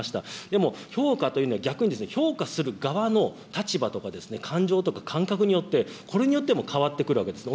でも評価というのは、逆に評価する側の立場とか、感情とか、感覚によって、これによっても変わってくるわけです。